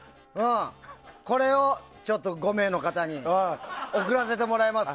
これを５名の方に送らせてもらいます。